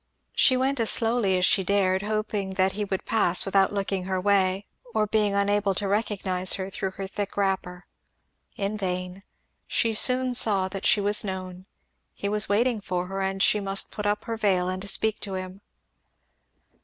She went as slowly as she dared, hoping that he would pass without looking her way, or be unable to recognize her through her thick wrapper. In vain, she soon saw that she was known; he was waiting for her, and she must put up her veil and speak to him.